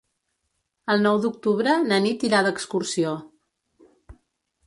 El nou d'octubre na Nit irà d'excursió.